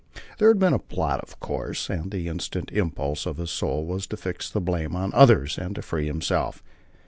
There had been a plot, of course, and the instant impulse of his soul was to fix the blame on others and to free himself.